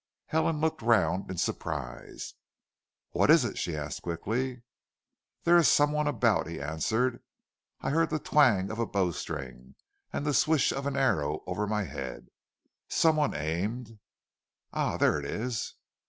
Helen looked round in surprise. "What is it?" she asked quickly. "There is some one about," he answered. "I heard the twang of a bowstring and the swish of an arrow over my head. Some one aimed Ah, there it is!"